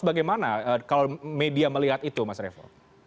bagaimana kalau media melihat itu mas revo